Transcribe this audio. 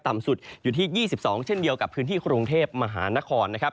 ต่ำสุดอยู่ที่๒๒เช่นเดียวกับพื้นที่กรุงเทพมหานครนะครับ